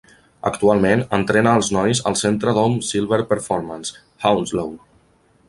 Actualment entrena els nois al centre Dome Silver Performance, Hounslow.